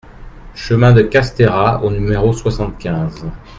Chemin de Castera au numéro soixante-quinze